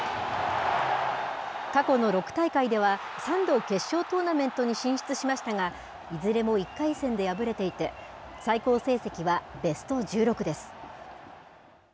過去の６大会では、３度決勝トーナメントに進出しましたが、いずれも１回戦で敗れていて、最高成績はベスト１６です。